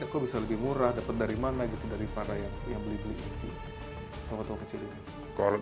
kok bisa lebih murah dapat dari mana gitu daripada yang beli beli ini